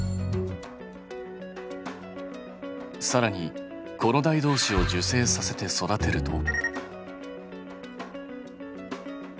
さらに子の代どうしを授精させて育てると。